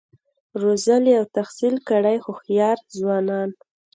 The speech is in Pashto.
روزلي او تحصیل کړي هوښیار ځوانان